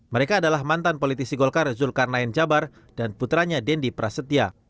mereka adalah mantan politisi golkar zulkarnain jabar dan putranya dendi prasetya